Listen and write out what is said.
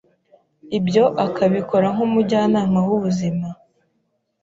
ibyo akabikora nk'umujyanama wubuzima